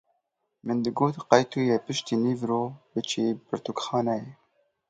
Min digot qey tu yê piştî nîvro biçî pirtûkxaneyê.